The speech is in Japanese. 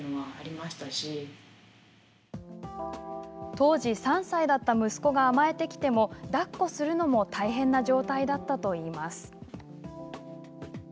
当時３歳だった息子が甘えてきても、だっこするのも大変な状態だったといいます。